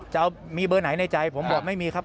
จะมีเบอร์ไหนในใจผมบอกไม่มีครับ